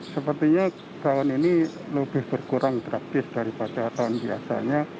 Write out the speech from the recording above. sepertinya tahun ini lebih berkurang drastis daripada tahun biasanya